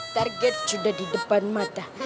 target sudah di depan mata